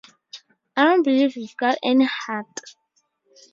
I don't believe you've got any heart.